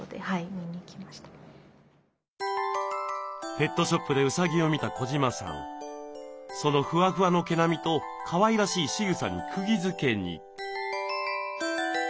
ペットショップでうさぎを見た児島さんそのふわふわの毛並みとかわいらしいしぐさにくぎづけに。